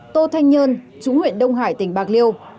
tô thanh nhơn chú huyện đông hải tỉnh bạc liêu